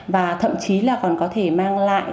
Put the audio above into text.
và thậm chí là còn có thể mang lại